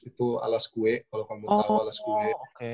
itu alas kue kalau kamu tahu alas kue